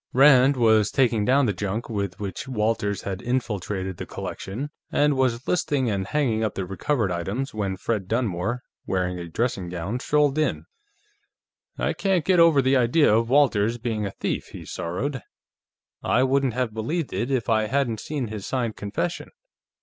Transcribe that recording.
Rand was taking down the junk with which Walters had infiltrated the collection and was listing and hanging up the recovered items when Fred Dunmore, wearing a dressing gown, strolled in. "I can't get over the idea of Walters being a thief," he sorrowed. "I wouldn't have believed it if I hadn't seen his signed confession....